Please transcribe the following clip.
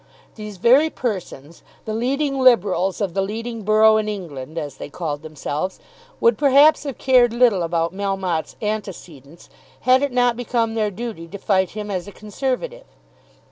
These very persons, the leading Liberals of the leading borough in England as they called themselves, would perhaps have cared little about Melmotte's antecedents had it not become their duty to fight him as a Conservative.